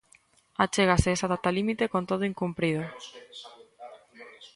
Achégase esa data límite con todo incumprido.